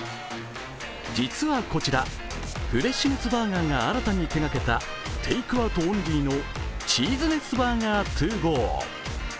実はこちら、フレッシュネスバーガーが新たに手がけたテイクアウトオンリーのチーズネスバーガーＴＯＧＯ。